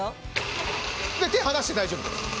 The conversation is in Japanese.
手離して大丈夫です。